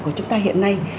của chúng ta hiện nay